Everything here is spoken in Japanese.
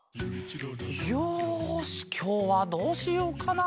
よしきょうはどうしようかな？